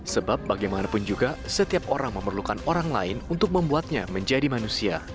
sebab bagaimanapun juga setiap orang memerlukan orang lain untuk membuatnya menjadi manusia